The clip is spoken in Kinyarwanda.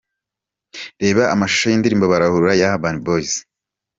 Reba amashusho y’indirimbo “Barahurura” ya Urban Boyz :.